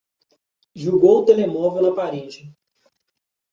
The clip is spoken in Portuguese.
Jogou o telemóvel na parede